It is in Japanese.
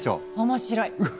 面白い！